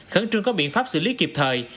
khẩn trương có biện pháp xử lý kịp thời